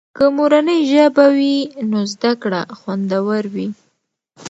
که مورنۍ ژبه وي نو زده کړه خوندور وي.